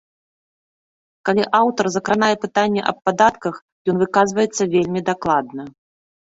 Калі аўтар закранае пытанне аб падатках, ён выказваецца вельмі дакладна.